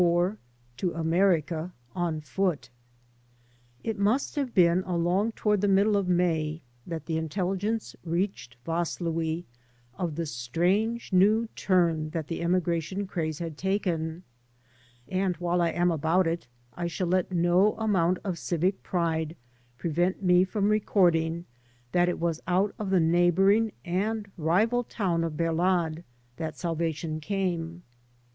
IV TO AMERICA ON FOOT IT must have been along toward the middle of May that the intelligence reached Vaslui of the strange new turn that the emigration craze had taken ; and while I am about it I shaU let no amount of dvic pride prevent me from recording that it was out of the neighboring and rival town of Berlad that salvation came.